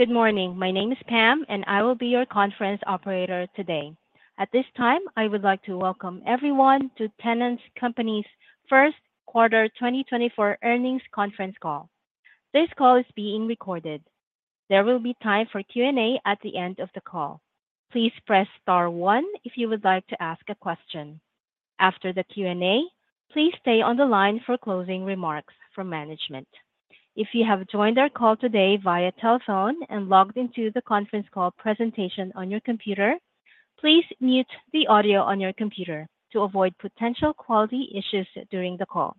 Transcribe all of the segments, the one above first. Good morning. My name is Pam, and I will be your conference operator today. At this time, I would like to welcome everyone to Tennant Company's First Quarter 2024 Earnings Conference Call. This call is being recorded. There will be time for Q&A at the end of the call. Please press star one if you would like to ask a question. After the Q&A, please stay on the line for closing remarks from management. If you have joined our call today via telephone and logged into the conference call presentation on your computer, please mute the audio on your computer to avoid potential quality issues during the call.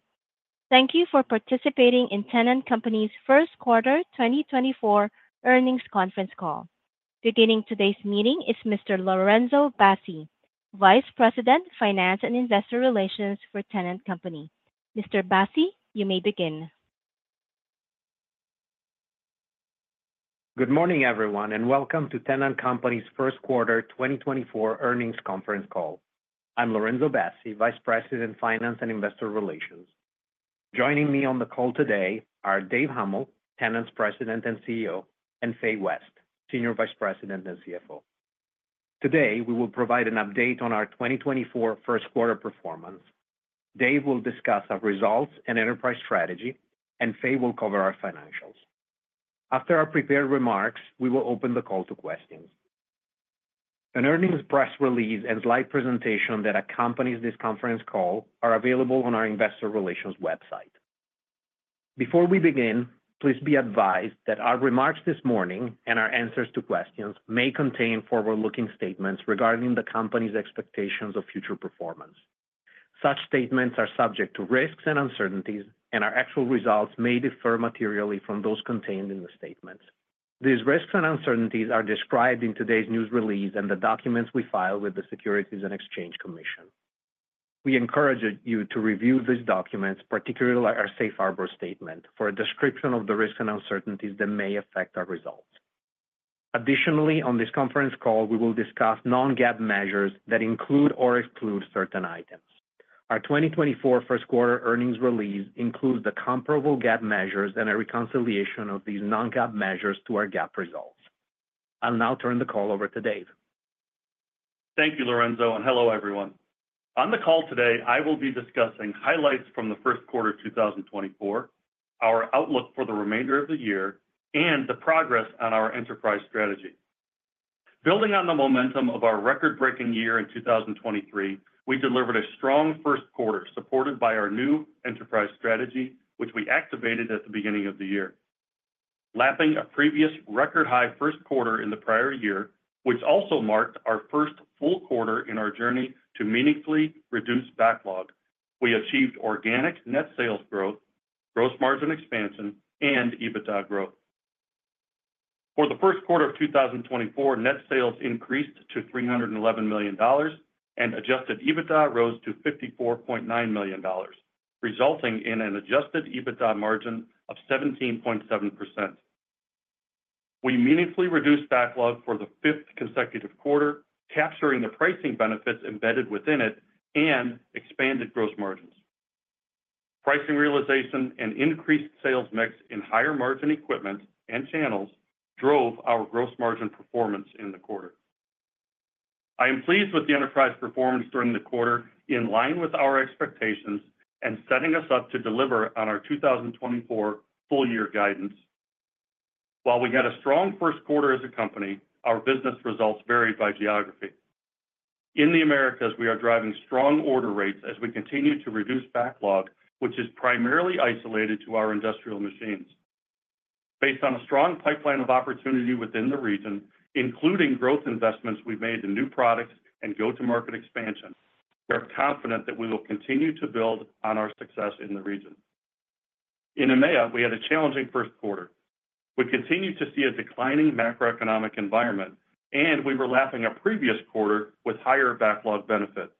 Thank you for participating in Tennant Company's first quarter 2024 earnings conference call. Beginning today's meeting is Mr. Lorenzo Bassi, Vice President, Finance and Investor Relations for Tennant Company. Mr. Bassi, you may begin. Good morning, everyone, and welcome to Tennant Company's First Quarter 2024 Earnings Conference Call. I'm Lorenzo Bassi, Vice President, Finance and Investor Relations. Joining me on the call today are Dave Huml, Tennant's President and CEO, and Fay West, Senior Vice President and CFO. Today, we will provide an update on our 2024 first quarter performance. Dave will discuss our results and enterprise strategy, and Fay will cover our financials. After our prepared remarks, we will open the call to questions. An earnings press release and slide presentation that accompanies this conference call are available on our investor relations website. Before we begin, please be advised that our remarks this morning and our answers to questions may contain forward-looking statements regarding the company's expectations of future performance. Such statements are subject to risks and uncertainties, and our actual results may differ materially from those contained in the statements. These risks and uncertainties are described in today's news release and the documents we filed with the Securities and Exchange Commission. We encourage you to review these documents, particularly our safe harbor statement, for a description of the risks and uncertainties that may affect our results. Additionally, on this conference call, we will discuss non-GAAP measures that include or exclude certain items. Our 2024 first quarter earnings release includes the comparable GAAP measures and a reconciliation of these non-GAAP measures to our GAAP results. I'll now turn the call over to Dave. Thank you, Lorenzo, and hello, everyone. On the call today, I will be discussing highlights from the first quarter 2024, our outlook for the remainder of the year, and the progress on our enterprise strategy. Building on the momentum of our record-breaking year in 2023, we delivered a strong first quarter, supported by our new enterprise strategy, which we activated at the beginning of the year. Lapping a previous record-high first quarter in the prior year, which also marked our first full quarter in our journey to meaningfully reduce backlog, we achieved organic net sales growth, gross margin expansion, and EBITDA growth. For the first quarter of 2024, net sales increased to $311 million, and adjusted EBITDA rose to $54.9 million, resulting in an adjusted EBITDA margin of 17.7%. We meaningfully reduced backlog for the fifth consecutive quarter, capturing the pricing benefits embedded within it and expanded gross margins. Pricing realization and increased sales mix in higher-margin equipment and channels drove our gross margin performance in the quarter. I am pleased with the enterprise performance during the quarter, in line with our expectations and setting us up to deliver on our 2024 full year guidance. While we had a strong first quarter as a company, our business results varied by geography. In the Americas, we are driving strong order rates as we continue to reduce backlog, which is primarily isolated to our industrial machines. Based on a strong pipeline of opportunity within the region, including growth investments we've made in new products and go-to-market expansion, we are confident that we will continue to build on our success in the region. In EMEA, we had a challenging first quarter. We continued to see a declining macroeconomic environment, and we were lapping a previous quarter with higher backlog benefits.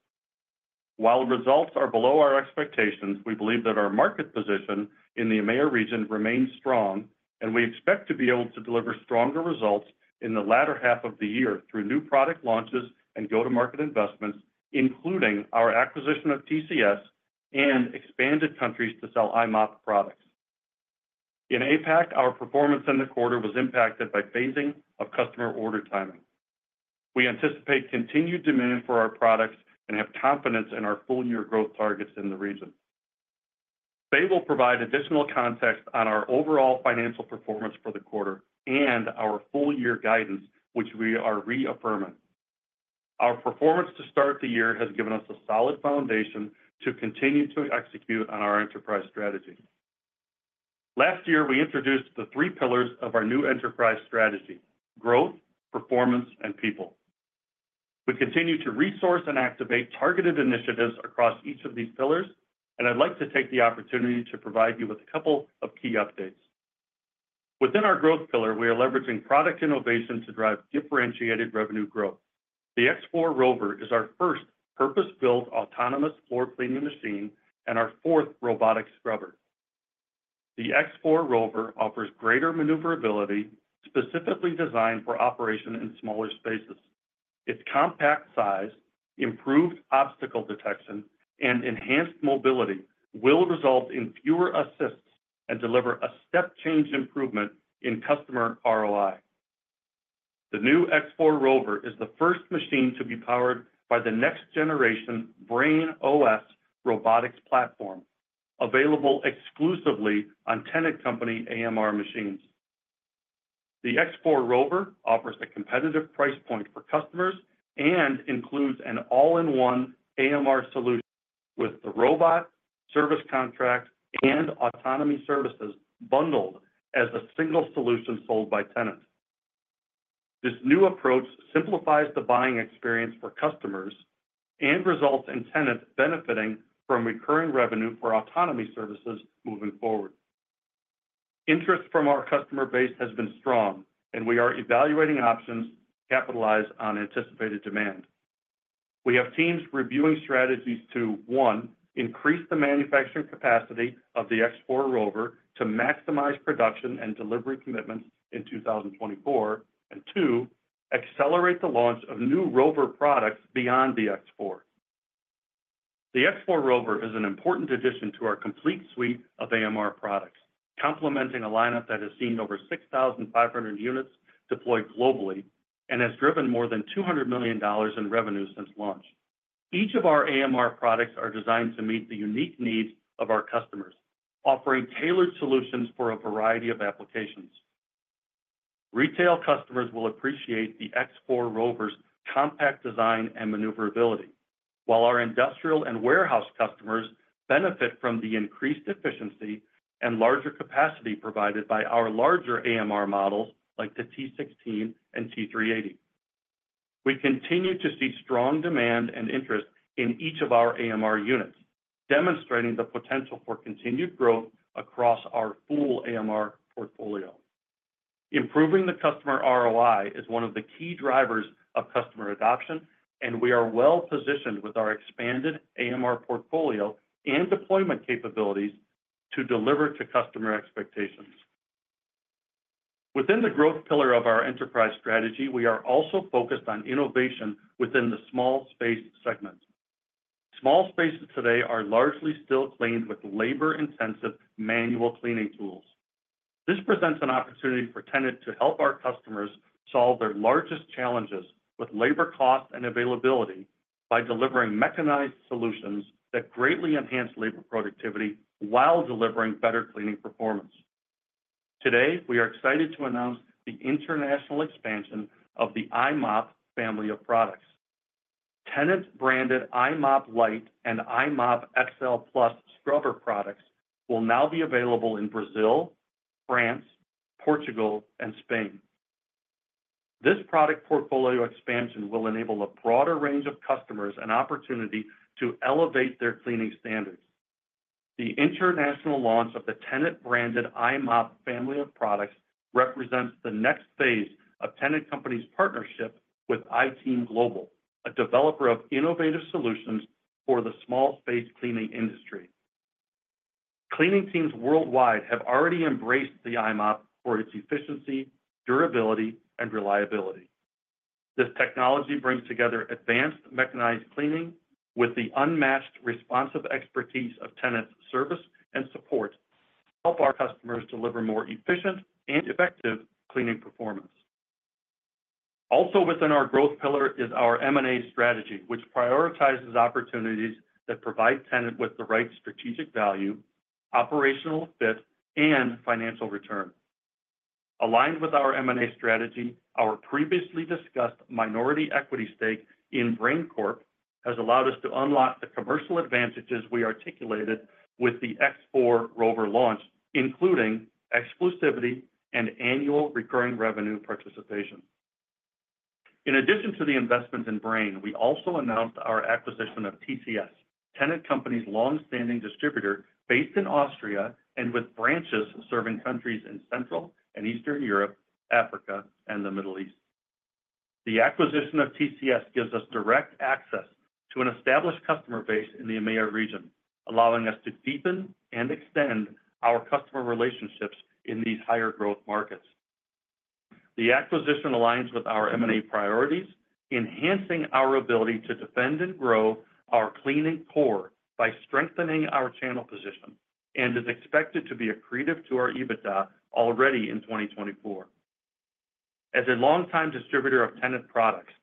While results are below our expectations, we believe that our market position in the EMEA region remains strong, and we expect to be able to deliver stronger results in the latter half of the year through new product launches and go-to-market investments, including our acquisition of TCS and expanded countries to sell i-mop products. In APAC, our performance in the quarter was impacted by phasing of customer order timing. We anticipate continued demand for our products and have confidence in our full year growth targets in the region. Fay will provide additional context on our overall financial performance for the quarter and our full year guidance, which we are reaffirming. Our performance to start the year has given us a solid foundation to continue to execute on our enterprise strategy. Last year, we introduced the three pillars of our new enterprise strategy: growth, performance, and people. We continue to resource and activate targeted initiatives across each of these pillars, and I'd like to take the opportunity to provide you with a couple of key updates. Within our growth pillar, we are leveraging product innovation to drive differentiated revenue growth. The X4 ROVR is our first purpose-built, autonomous floor cleaning machine and our fourth robotic scrubber. The X4 ROVR offers greater maneuverability, specifically designed for operation in smaller spaces. Its compact size, improved obstacle detection, and enhanced mobility will result in fewer assists and deliver a step change improvement in customer ROI. The new X4 ROVR is the first machine to be powered by the next generation BrainOS robotics platform, available exclusively on Tennant Company AMR machines. The X4 ROVR offers a competitive price point for customers and includes an all-in-one AMR solution with the robot, service contract, and autonomy services bundled as a single solution sold by Tennant. This new approach simplifies the buying experience for customers and results in Tennant benefiting from recurring revenue for autonomy services moving forward. Interest from our customer base has been strong, and we are evaluating options to capitalize on anticipated demand. We have teams reviewing strategies to, one, increase the manufacturing capacity of the X4 ROVR to maximize production and delivery commitments in 2024, and two, accelerate the launch of new ROVR products beyond the X4. The X4 ROVR is an important addition to our complete suite of AMR products, complementing a lineup that has seen over 6,500 units deployed globally and has driven more than $200 million in revenue since launch. Each of our AMR products are designed to meet the unique needs of our customers, offering tailored solutions for a variety of applications. Retail customers will appreciate the X4 ROVR's compact design and maneuverability, while our industrial and warehouse customers benefit from the increased efficiency and larger capacity provided by our larger AMR models like the T16 and T380. We continue to see strong demand and interest in each of our AMR units, demonstrating the potential for continued growth across our full AMR portfolio. Improving the customer ROI is one of the key drivers of customer adoption, and we are well positioned with our expanded AMR portfolio and deployment capabilities to deliver to customer expectations. Within the growth pillar of our enterprise strategy, we are also focused on innovation within the small space segment. Small spaces today are largely still cleaned with labor-intensive manual cleaning tools. This presents an opportunity for Tennant to help our customers solve their largest challenges with labor cost and availability by delivering mechanized solutions that greatly enhance labor productivity while delivering better cleaning performance. Today, we are excited to announce the international expansion of the i-mop family of products. Tennant-branded i-mop Lite and i-mop XL Plus scrubber products will now be available in Brazil, France, Portugal, and Spain. This product portfolio expansion will enable a broader range of customers an opportunity to elevate their cleaning standards. The international launch of the Tennant-branded i-mop family of products represents the next phase of Tennant Company's partnership with i-Team Global, a developer of innovative solutions for the small space cleaning industry. Cleaning teams worldwide have already embraced the i-mop for its efficiency, durability, and reliability. This technology brings together advanced mechanized cleaning with the unmatched, responsive expertise of Tennant's service and support to help our customers deliver more efficient and effective cleaning performance. Also within our growth pillar is our M&A strategy, which prioritizes opportunities that provide Tennant with the right strategic value, operational fit, and financial return. Aligned with our M&A strategy, our previously discussed minority equity stake in Brain Corp has allowed us to unlock the commercial advantages we articulated with the X4 ROVR launch, including exclusivity and annual recurring revenue participation. In addition to the investment in Brain, we also announced our acquisition of TCS, Tennant Company's long-standing distributor, based in Austria and with branches serving countries in Central and Eastern Europe, Africa, and the Middle East. The acquisition of TCS gives us direct access to an established customer base in the EMEA region, allowing us to deepen and extend our customer relationships in these higher growth markets. The acquisition aligns with our M&A priorities, enhancing our ability to defend and grow our cleaning core by strengthening our channel position and is expected to be accretive to our EBITDA already in 2024. As a longtime distributor of Tennant products,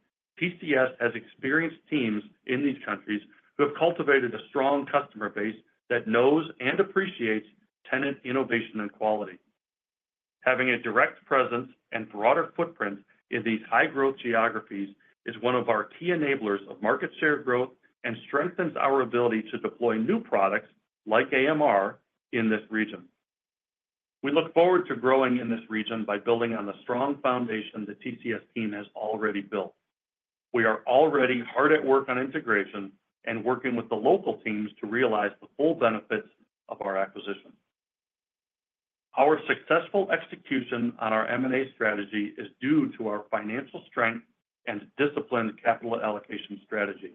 TCS has experienced teams in these countries who have cultivated a strong customer base that knows and appreciates Tennant innovation and quality. Having a direct presence and broader footprint in these high-growth geographies is one of our key enablers of market share growth and strengthens our ability to deploy new products, like AMR, in this region. We look forward to growing in this region by building on the strong foundation the TCS team has already built. We are already hard at work on integration and working with the local teams to realize the full benefits of our acquisition. Our successful execution on our M&A strategy is due to our financial strength and disciplined capital allocation strategy....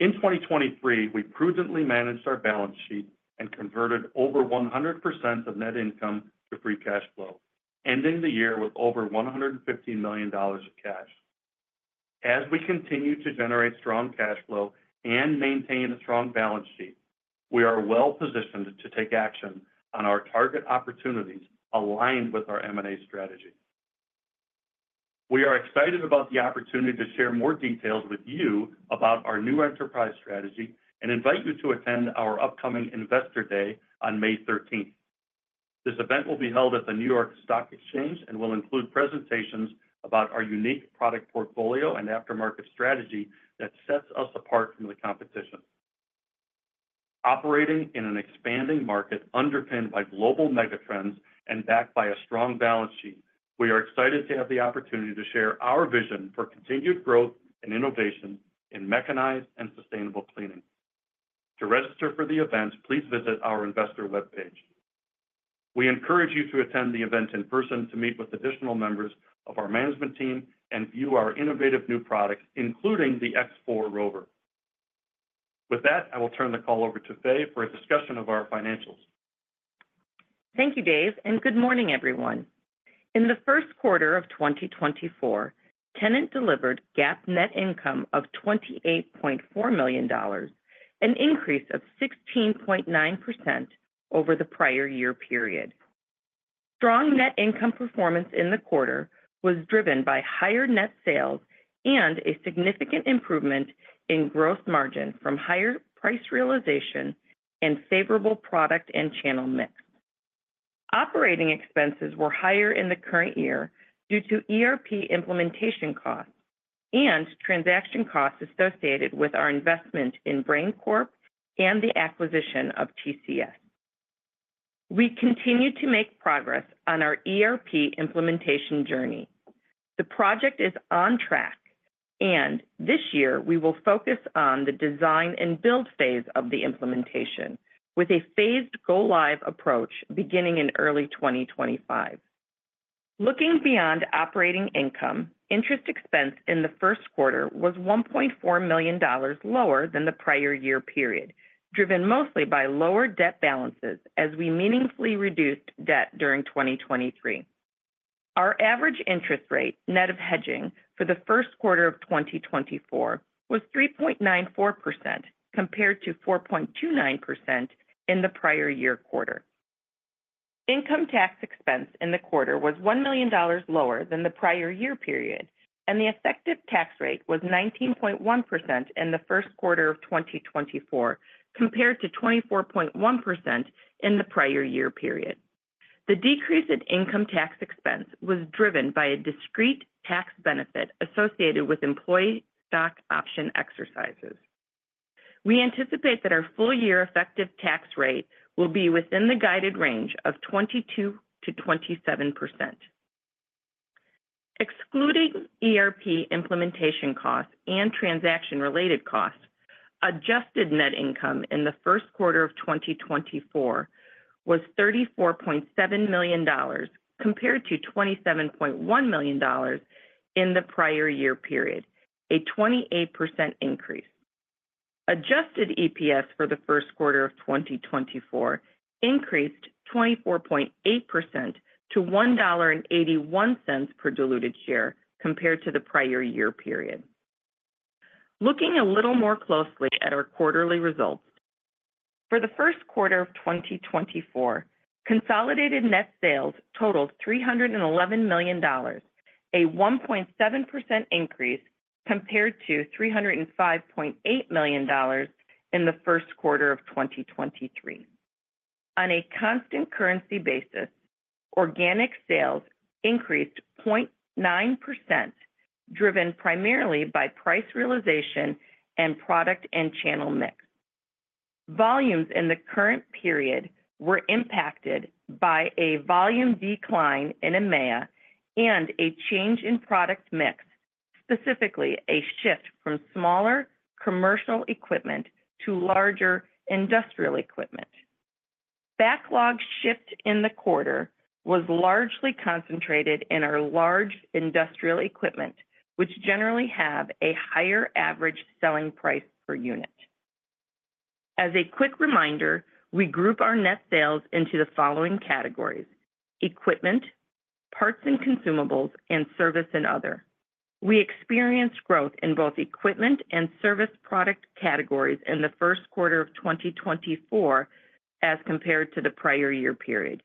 In 2023, we prudently managed our balance sheet and converted over 100% of net income to free cash flow, ending the year with over $150 million of cash. As we continue to generate strong cash flow and maintain a strong balance sheet, we are well-positioned to take action on our target opportunities aligned with our M&A strategy. We are excited about the opportunity to share more details with you about our new enterprise strategy and invite you to attend our upcoming Investor Day on May thirteenth. This event will be held at the New York Stock Exchange and will include presentations about our unique product portfolio and aftermarket strategy that sets us apart from the competition. Operating in an expanding market underpinned by global mega trends and backed by a strong balance sheet, we are excited to have the opportunity to share our vision for continued growth and innovation in mechanized and sustainable cleaning. To register for the event, please visit our investor web page. We encourage you to attend the event in person to meet with additional members of our management team and view our innovative new products, including the X4 ROVR. With that, I will turn the call over to Fay for a discussion of our financials. Thank you, Dave, and good morning, everyone. In the first quarter of 2024, Tennant delivered GAAP net income of $28.4 million, an increase of 16.9% over the prior year period. Strong net income performance in the quarter was driven by higher net sales and a significant improvement in gross margin from higher price realization and favorable product and channel mix. Operating expenses were higher in the current year due to ERP implementation costs and transaction costs associated with our investment in Brain Corp and the acquisition of TCS. We continue to make progress on our ERP implementation journey. The project is on track, and this year we will focus on the design and build phase of the implementation, with a phased go live approach beginning in early 2025. Looking beyond operating income, interest expense in the first quarter was $1.4 million lower than the prior year period, driven mostly by lower debt balances as we meaningfully reduced debt during 2023. Our average interest rate, net of hedging, for the first quarter of 2024 was 3.94%, compared to 4.29% in the prior year quarter. Income tax expense in the quarter was $1 million lower than the prior year period, and the effective tax rate was 19.1% in the first quarter of 2024, compared to 24.1% in the prior year period. The decrease in income tax expense was driven by a discrete tax benefit associated with employee stock option exercises. We anticipate that our full year effective tax rate will be within the guided range of 22%-27%. Excluding ERP implementation costs and transaction-related costs, adjusted net income in the first quarter of 2024 was $34.7 million, compared to $27.1 million in the prior year period, a 28% increase. Adjusted EPS for the first quarter of 2024 increased 24.8%-$1.81 per diluted share compared to the prior year period. Looking a little more closely at our quarterly results, for the first quarter of 2024, consolidated net sales totaled $311 million, a 1.7% increase compared to $305.8 million in the first quarter of 2023. On a constant currency basis, organic sales increased 0.9%, driven primarily by price realization and product and channel mix. Volumes in the current period were impacted by a volume decline in EMEA and a change in product mix, specifically a shift from smaller commercial equipment to larger industrial equipment. Backlog shift in the quarter was largely concentrated in our large industrial equipment, which generally have a higher average selling price per unit. As a quick reminder, we group our net sales into the following categories: equipment, parts and consumables, and service and other. We experienced growth in both equipment and service product categories in the first quarter of 2024 as compared to the prior year period.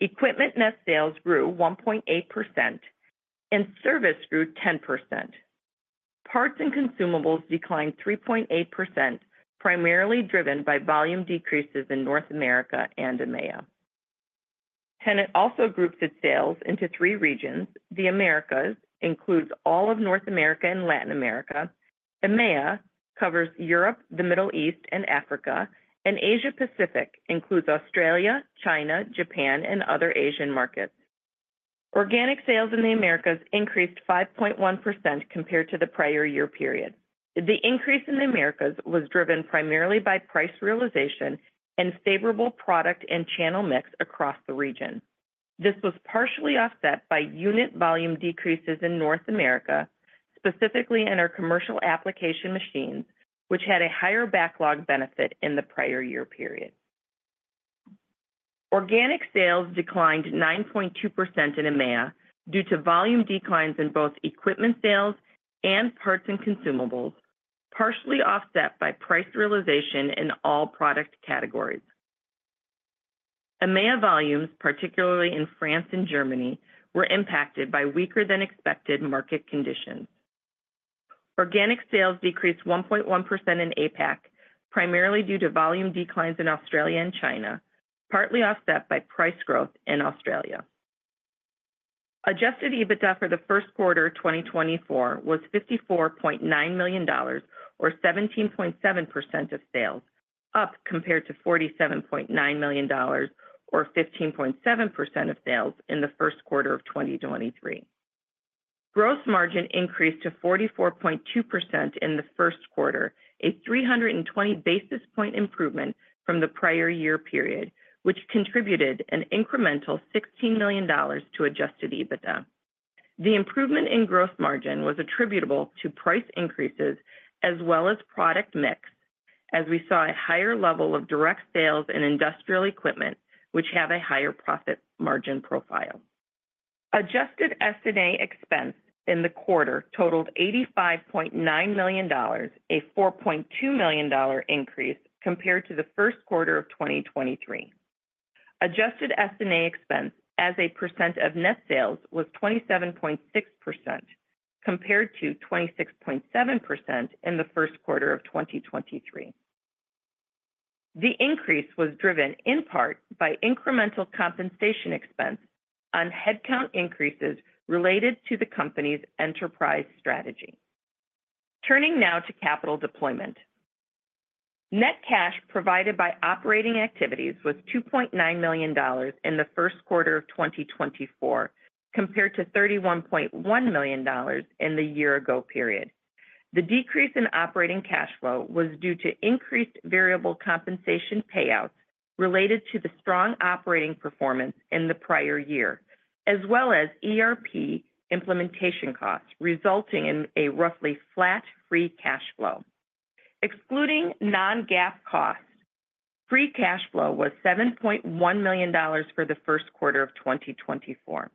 Equipment net sales grew 1.8%, and service grew 10%. Parts and consumables declined 3.8%, primarily driven by volume decreases in North America and EMEA. Tennant also groups its sales into three regions. The Americas includes all of North America and Latin America. EMEA covers Europe, the Middle East, and Africa, and Asia Pacific includes Australia, China, Japan, and other Asian markets. Organic sales in the Americas increased 5.1% compared to the prior year period. The increase in the Americas was driven primarily by price realization and favorable product and channel mix across the region. This was partially offset by unit volume decreases in North America, specifically in our commercial application machines, which had a higher backlog benefit in the prior year period. Organic sales declined 9.2% in EMEA, due to volume declines in both equipment sales and parts and consumables, partially offset by price realization in all product categories. EMEA volumes, particularly in France and Germany, were impacted by weaker than expected market conditions. Organic sales decreased 1.1% in APAC, primarily due to volume declines in Australia and China, partly offset by price growth in Australia. Adjusted EBITDA for the first quarter of 2024 was $54.9 million, or 17.7% of sales, up compared to $47.9 million, or 15.7% of sales in the first quarter of 2023. Gross margin increased to 44.2% in the first quarter, a 320 basis point improvement from the prior year period, which contributed an incremental $16 million to adjusted EBITDA. The improvement in gross margin was attributable to price increases as well as product mix, as we saw a higher level of direct sales in industrial equipment, which have a higher profit margin profile. Adjusted S&A expense in the quarter totaled $85.9 million, a $4.2 million increase compared to the first quarter of 2023. Adjusted S&A expense as a percent of net sales was 27.6%, compared to 26.7% in the first quarter of 2023. The increase was driven in part by incremental compensation expense on headcount increases related to the company's enterprise strategy. Turning now to capital deployment. Net cash provided by operating activities was $2.9 million in the first quarter of 2024, compared to $31.1 million in the year ago period. The decrease in operating cash flow was due to increased variable compensation payouts related to the strong operating performance in the prior year, as well as ERP implementation costs, resulting in a roughly flat free cash flow. Excluding non-GAAP costs, free cash flow was $7.1 million for the first quarter of 2024.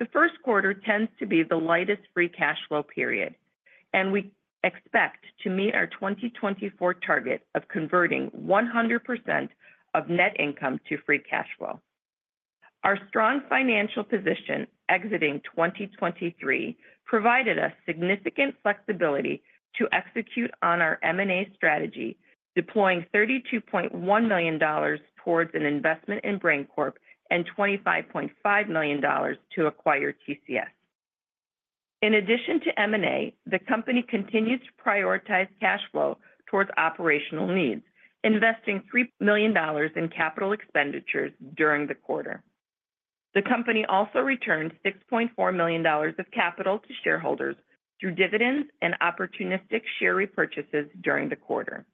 The first quarter tends to be the lightest free cash flow period, and we expect to meet our 2024 target of converting 100% of net income to free cash flow. Our strong financial position exiting 2023 provided us significant flexibility to execute on our M&A strategy, deploying $32.1 million towards an investment in Brain Corp and $25.5 million to acquire TCS. In addition to M&A, the company continues to prioritize cash flow towards operational needs, investing $3 million in capital expenditures during the quarter. The company also returned $6.4 million of capital to shareholders through dividends and opportunistic share repurchases during the quarter.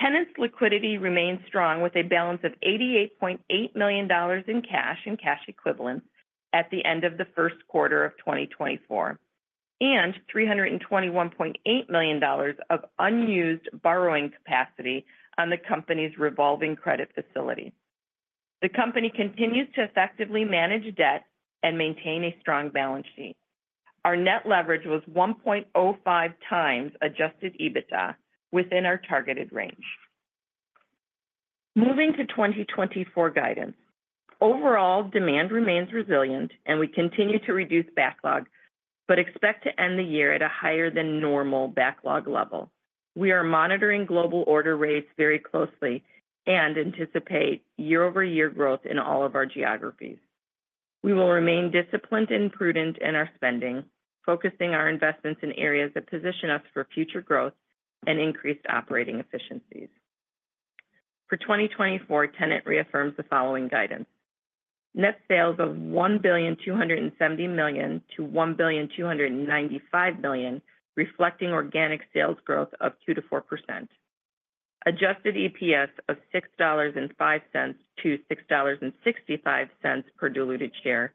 Tennant's liquidity remains strong, with a balance of $88.8 million in cash and cash equivalents at the end of the first quarter of 2024, and $321.8 million of unused borrowing capacity on the company's revolving credit facility. The company continues to effectively manage debt and maintain a strong balance sheet. Our net leverage was 1.05x adjusted EBITDA within our targeted range. Moving to 2024 guidance. Overall, demand remains resilient and we continue to reduce backlog, but expect to end the year at a higher than normal backlog level. We are monitoring global order rates very closely and anticipate year-over-year growth in all of our geographies. We will remain disciplined and prudent in our spending, focusing our investments in areas that position us for future growth and increased operating efficiencies. For 2024, Tennant reaffirms the following guidance: Net sales of $1.27 billion-$1.295 billion, reflecting organic sales growth of 2%-4%. Adjusted EPS of $6.05-$6.65 per diluted share,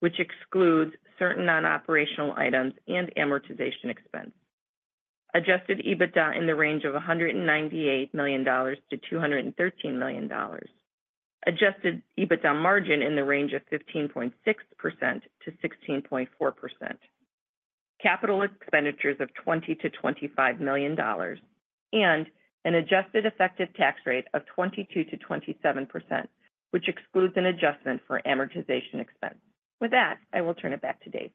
which excludes certain non-operational items and amortization expense. Adjusted EBITDA in the range of $198 million-$213 million. Adjusted EBITDA margin in the range of 15.6%-16.4%. Capital expenditures of $20 million-$25 million, and an adjusted effective tax rate of 22%-27%, which excludes an adjustment for amortization expense. With that, I will turn it back to Dave.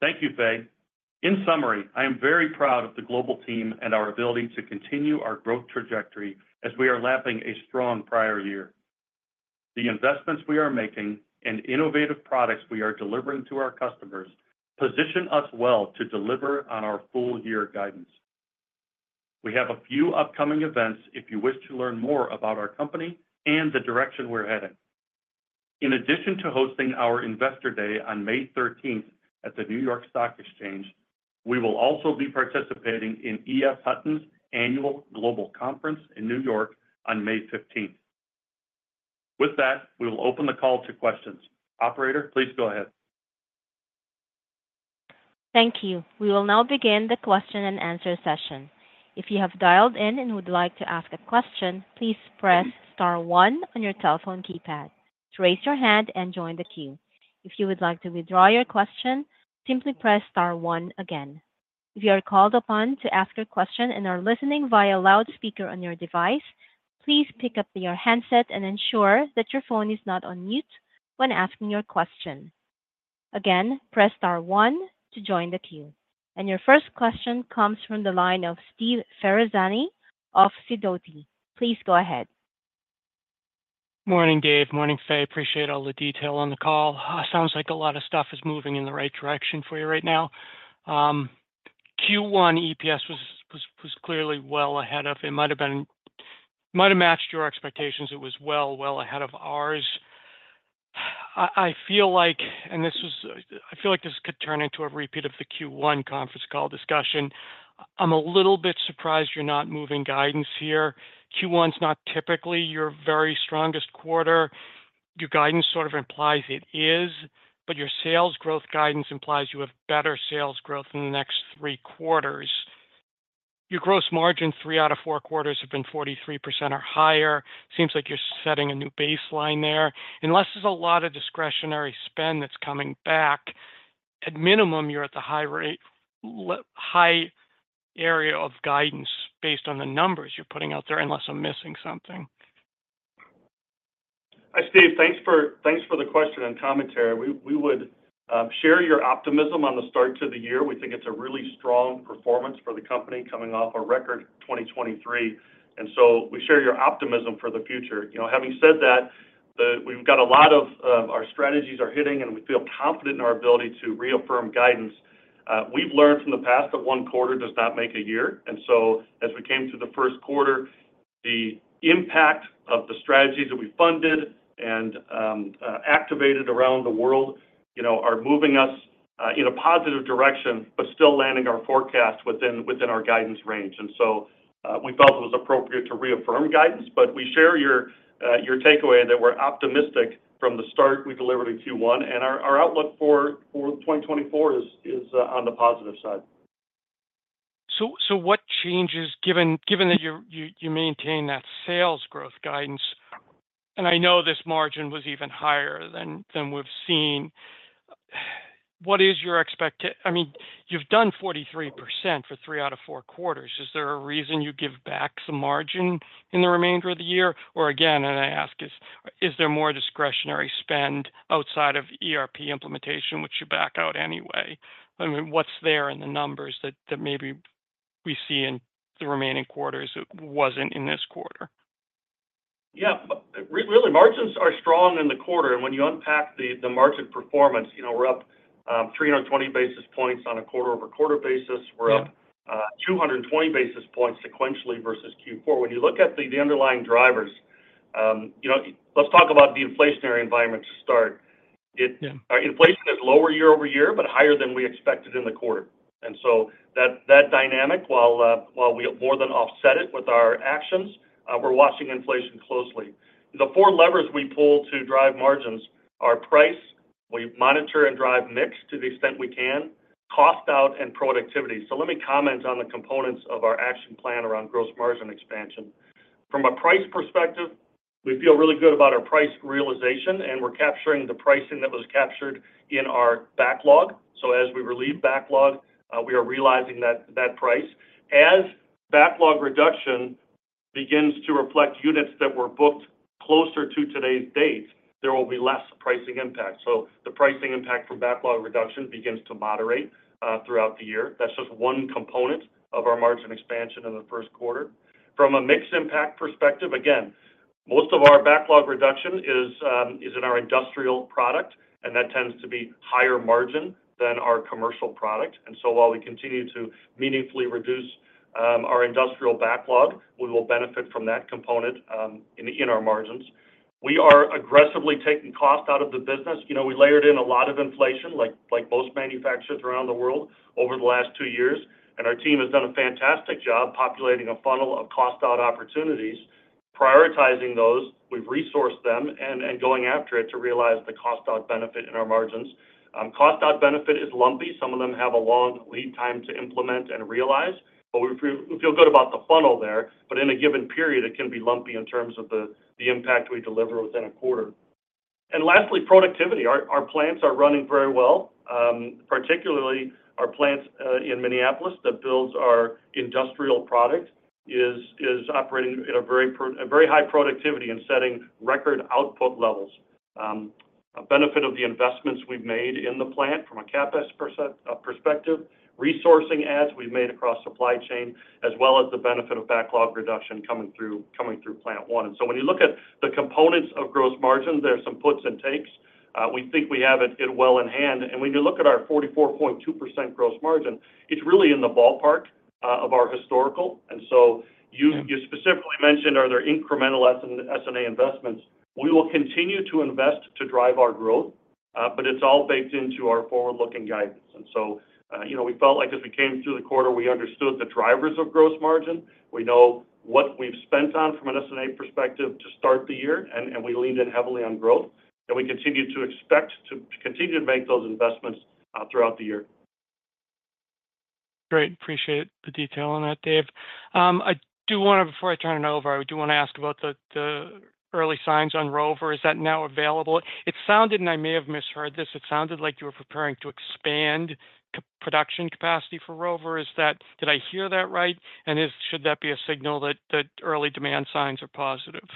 Thank you, Fay. In summary, I am very proud of the global team and our ability to continue our growth trajectory as we are lapping a strong prior year. The investments we are making and innovative products we are delivering to our customers position us well to deliver on our full year guidance. We have a few upcoming events if you wish to learn more about our company and the direction we're heading. In addition to hosting our Investor Day on May 13th at the New York Stock Exchange. We will also be participating in E.F. Hutton's annual global conference in New York on May 15th. With that, we will open the call to questions. Operator, please go ahead. Thank you. We will now begin the question-and-answer session. If you have dialed in and would like to ask a question, please press star one on your telephone keypad to raise your hand and join the queue. If you would like to withdraw your question, simply press star one again. If you are called upon to ask a question and are listening via loudspeaker on your device, please pick up your handset and ensure that your phone is not on mute when asking your question. Again, press star one to join the queue. Your first question comes from the line of Steve Ferazani of Sidoti. Please go ahead. Morning, Dave. Morning, Fay. Appreciate all the detail on the call. Sounds like a lot of stuff is moving in the right direction for you right now. Q1 EPS was clearly well ahead of... It might have matched your expectations. It was well ahead of ours. I feel like this could turn into a repeat of the Q1 conference call discussion. I'm a little bit surprised you're not moving guidance here. Q1 is not typically your very strongest quarter. Your guidance sort of implies it is, but your sales growth guidance implies you have better sales growth in the next three quarters. Your gross margin, three out of four quarters, have been 43% or higher. Seems like you're setting a new baseline there. Unless there's a lot of discretionary spend that's coming back, at minimum, you're at the high rate-like high area of guidance based on the numbers you're putting out there, unless I'm missing something. Hi, Steve. Thanks for the question and commentary. We would share your optimism on the start to the year. We think it's a really strong performance for the company coming off a record 2023, and so we share your optimism for the future. You know, having said that, we've got a lot of our strategies are hitting, and we feel confident in our ability to reaffirm guidance. We've learned from the past that one quarter does not make a year, and so as we came to the first quarter, the impact of the strategies that we funded and activated around the world, you know, are moving us in a positive direction, but still landing our forecast within our guidance range. So, we felt it was appropriate to reaffirm guidance, but we share your takeaway, and that we're optimistic from the start we delivered in Q1, and our outlook for 2024 is on the positive side. So what changes, given that you maintain that sales growth guidance? And I know this margin was even higher than we've seen. What is your expecta-- I mean, you've done 43% for three out of four quarters. Is there a reason you give back some margin in the remainder of the year? Or again, and I ask, is there more discretionary spend outside of ERP implementation, which you back out anyway? I mean, what's there in the numbers that maybe we see in the remaining quarters that wasn't in this quarter? Yeah. Really, margins are strong in the quarter, and when you unpack the margin performance, you know, we're up 320 basis points on a quarter-over-quarter basis. Yeah. We're up 220 basis points sequentially versus Q4. When you look at the underlying drivers, you know, let's talk about the inflationary environment to start. Yeah. Our inflation is lower year over year, but higher than we expected in the quarter, and so that dynamic, while we more than offset it with our actions, we're watching inflation closely. The four levers we pull to drive margins are price. We monitor and drive mix to the extent we can, cost out and productivity. So let me comment on the components of our action plan around gross margin expansion. From a price perspective, we feel really good about our price realization, and we're capturing the pricing that was captured in our backlog. So as we relieve backlog, we are realizing that price. As backlog reduction begins to reflect units that were booked closer to today's date, there will be less pricing impact. So the pricing impact from backlog reduction begins to moderate throughout the year. That's just one component of our margin expansion in the first quarter. From a mixed impact perspective, again, most of our backlog reduction is in our industrial product, and that tends to be higher margin than our commercial product. And so while we continue to meaningfully reduce our industrial backlog, we will benefit from that component in our margins. We are aggressively taking cost out of the business. You know, we layered in a lot of inflation, like most manufacturers around the world over the last two years, and our team has done a fantastic job populating a funnel of cost-out opportunities, prioritizing those, we've resourced them, and going after it to realize the cost-out benefit in our margins. Cost-out benefit is lumpy. Some of them have a long lead time to implement and realize, but we feel, we feel good about the funnel there. But in a given period, it can be lumpy in terms of the, the impact we deliver within a quarter. And lastly, productivity. Our plants are running very well, particularly our plants in Minneapolis that builds our industrial product, is operating in a very high productivity and setting record output levels. A benefit of the investments we've made in the plant from a CapEx perspective, resourcing adds we've made across supply chain, as well as the benefit of backlog reduction coming through Plant 1. And so when you look at the components of gross margin, there are some puts and takes. We think we have it well in hand, and when you look at our 44.2% gross margin, it's really in the ballpark of our historical. And so you specifically mentioned, are there incremental S&A investments? We will continue to invest to drive our growth, but it's all baked into our forward-looking guidance. And so, you know, we felt like as we came through the quarter, we understood the drivers of gross margin. We know what we've spent on from an S&A perspective to start the year, and we leaned in heavily on growth. And we continue to expect to continue to make those investments throughout the year. Great. Appreciate the detail on that, Dave. I do wanna, before I turn it over, I do wanna ask about the, the early signs on Rover. Is that now available? It sounded, and I may have misheard this, it sounded like you were preparing to expand production capacity for Rover. Is that... Did I hear that right? And is- should that be a signal that, that early demand signs are positive?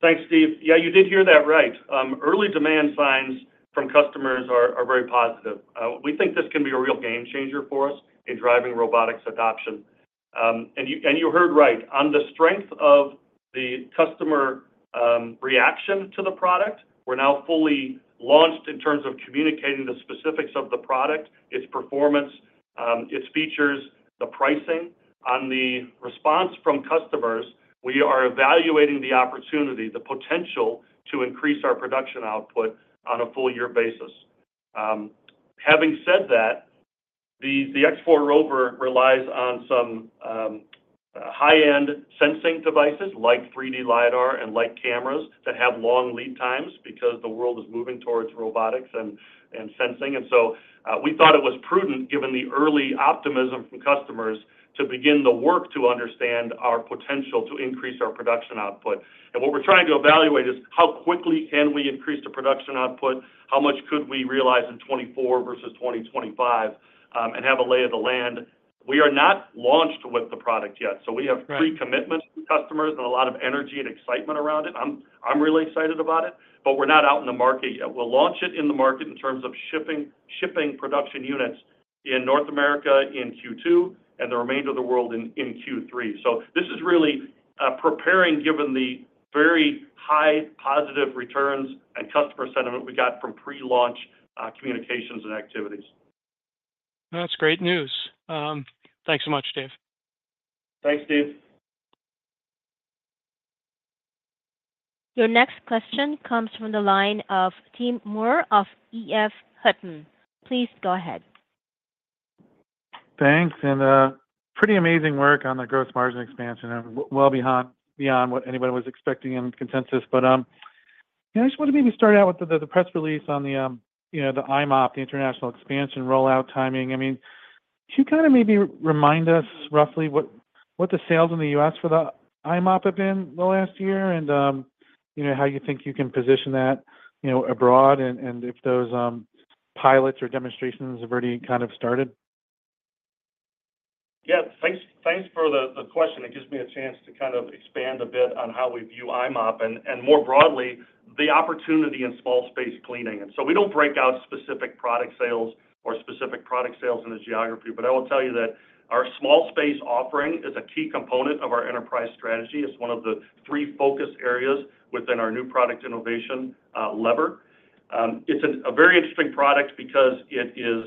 Thanks, Steve. Yeah, you did hear that right. Early demand signs from customers are very positive. We think this can be a real game changer for us in driving robotics adoption. And you heard right. On the strength of the customer reaction to the product, we're now fully launched in terms of communicating the specifics of the product, its performance, its features, the pricing. On the response from customers, we are evaluating the opportunity, the potential to increase our production output on a full year basis. Having said that, the X4 ROVR relies on some high-end sensing devices like 3D LIDAR and like cameras that have long lead times because the world is moving towards robotics and sensing. So, we thought it was prudent, given the early optimism from customers, to begin the work to understand our potential to increase our production output. What we're trying to evaluate is, how quickly can we increase the production output? How much could we realize in 2024 versus 2025, and have a lay of the land? We are not launched with the product yet, so we have- Right... pre-commitment from customers and a lot of energy and excitement around it. I'm really excited about it, but we're not out in the market yet. We'll launch it in the market in terms of shipping production units in North America in Q2, and the remainder of the world in Q3. So this is really preparing, given the very high positive returns and customer sentiment we got from pre-launch communications and activities. That's great news. Thanks so much, Dave. Thanks, Steve. Your next question comes from the line of Tim Moore of E.F. Hutton. Please go ahead. Thanks, and pretty amazing work on the gross margin expansion, and well beyond what anybody was expecting in consensus. But yeah, I just wanted to maybe start out with the press release on the, you know, the i-mop, the international expansion rollout timing. I mean, can you kind of maybe remind us roughly what the sales in the U.S. for the i-mop have been the last year? And, you know, how you think you can position that, you know, abroad, and if those pilots or demonstrations have already kind of started? Yeah. Thanks, thanks for the question. It gives me a chance to kind of expand a bit on how we view i-mop, and more broadly, the opportunity in small space cleaning. And so we don't break out specific product sales or specific product sales in a geography, but I will tell you that our small space offering is a key component of our enterprise strategy. It's one of the three focus areas within our new product innovation lever. It's a very interesting product because it is,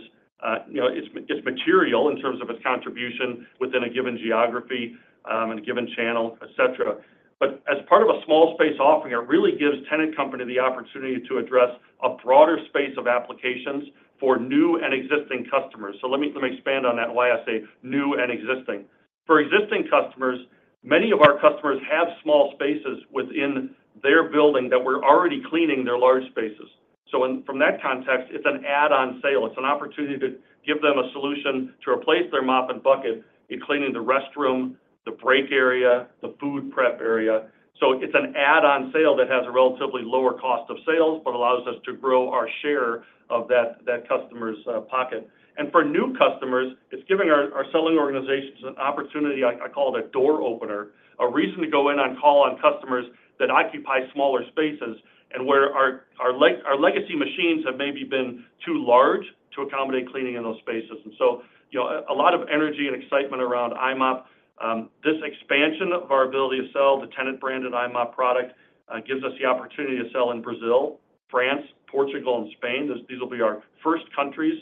you know, it's material in terms of its contribution within a given geography, and a given channel, et cetera. But as part of a small space offering, it really gives Tennant Company the opportunity to address a broader space of applications for new and existing customers. So let me, let me expand on that, why I say new and existing. For existing customers, many of our customers have small spaces within their building that we're already cleaning their large spaces. From that context, it's an add-on sale. It's an opportunity to give them a solution to replace their mop and bucket in cleaning the restroom, the break area, the food prep area. So it's an add-on sale that has a relatively lower cost of sales, but allows us to grow our share of that, that customer's pocket. And for new customers, it's giving our, our selling organizations an opportunity, I, I call it a door opener, a reason to go in on call on customers that occupy smaller spaces and where our, our legacy machines have maybe been too large to accommodate cleaning in those spaces. And so, you know, a lot of energy and excitement around i-mop. This expansion of our ability to sell the Tennant branded i-mop product gives us the opportunity to sell in Brazil, France, Portugal, and Spain. These will be our first countries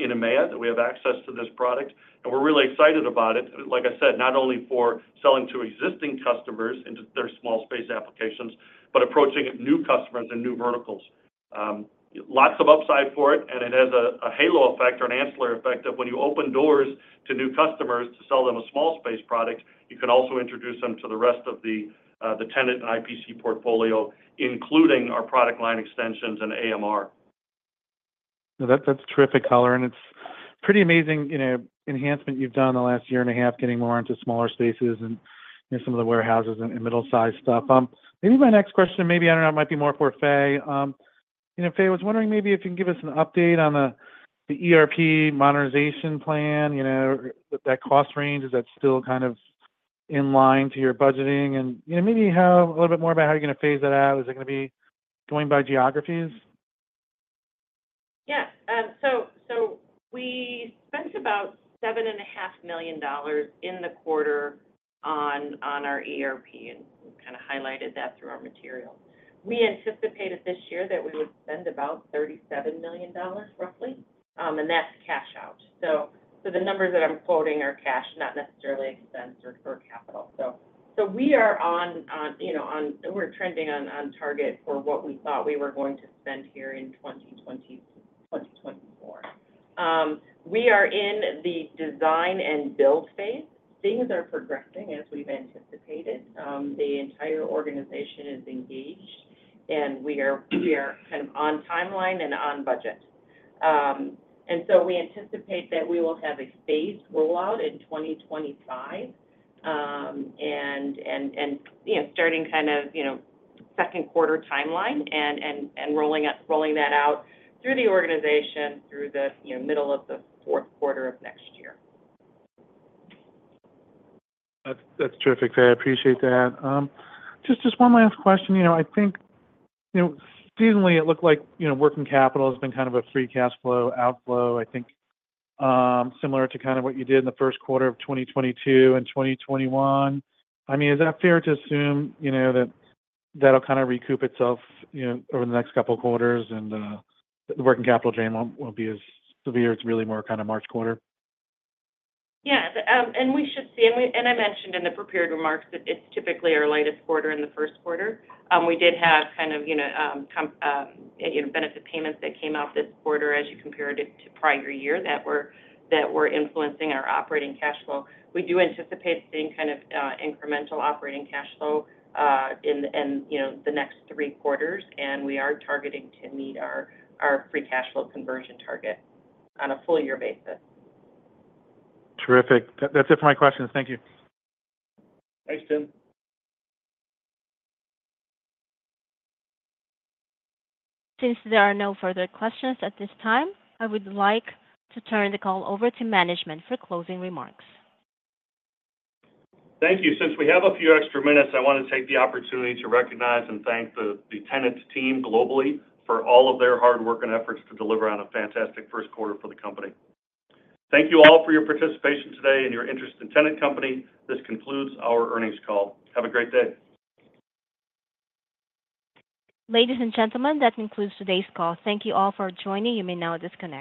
in EMEA that we have access to this product, and we're really excited about it. Like I said, not only for selling to existing customers into their small space applications, but approaching new customers and new verticals. Lots of upside for it, and it has a halo effect or an ancillary effect, that when you open doors to new customers to sell them a small space product, you can also introduce them to the rest of the Tennant and IPC portfolio, including our product line extensions and AMR. That's, that's terrific color, and it's pretty amazing, you know, enhancement you've done in the last year and a half, getting more into smaller spaces and in some of the warehouses and, and middle-sized stuff. Maybe my next question, maybe, I don't know, it might be more for Fay. You know, Fay, I was wondering maybe if you can give us an update on the, the ERP monetization plan, you know, that cost range. Is that still kind of in line to your budgeting? And, you know, maybe you have a little bit more about how you're gonna phase that out. Is it gonna be going by geographies? Yes. So, so we spent about $7.5 million in the quarter on our ERP, and we've kind of highlighted that through our material. We anticipated this year that we would spend about $37 million, roughly, and that's cash out. So the numbers that I'm quoting are cash, not necessarily expense or capital. So we are on, you know, on-- we're trending on target for what we thought we were going to spend here in 2024. We are in the design and build phase. Things are progressing as we've anticipated. The entire organization is engaged, and we are kind of on timeline and on budget. and so we anticipate that we will have a phased rollout in 2025, and you know, starting kind of, you know, second quarter timeline and rolling out, rolling that out through the organization, through the you know middle of the fourth quarter of next year. That's, that's terrific. I appreciate that. Just, just one last question. You know, I think, you know, seasonally, it looked like, you know, working capital has been kind of a free cash flow outflow, I think, similar to kind of what you did in the first quarter of 2022 and 2021. I mean, is that fair to assume, you know, that that'll kind of recoup itself, you know, over the next couple of quarters and, the working capital drain won't, won't be as severe, it's really more kind of March quarter? Yeah. And we should see, and I mentioned in the prepared remarks that it's typically our lightest quarter in the first quarter. We did have kind of, you know, benefit payments that came out this quarter as you compared it to prior year that were influencing our operating cash flow. We do anticipate seeing kind of, incremental operating cash flow, in, you know, the next three quarters, and we are targeting to meet our free cash flow conversion target on a full year basis. Terrific. That's it for my questions. Thank you. Thanks, Tim. Since there are no further questions at this time, I would like to turn the call over to management for closing remarks. Thank you. Since we have a few extra minutes, I want to take the opportunity to recognize and thank the Tennant team globally for all of their hard work and efforts to deliver on a fantastic first quarter for the company. Thank you all for your participation today and your interest in Tennant Company. This concludes our earnings call. Have a great day. Ladies and gentlemen, that concludes today's call. Thank you all for joining. You may now disconnect.